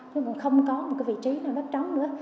chứ cũng không có cái vị trí nào đất trống nữa